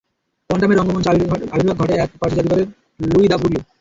কোয়ান্টামের রঙ্গমঞ্চে আবির্ভাব ঘটে এক ফরাসি জাদুকরের, লুই দ্য ব্রগলি।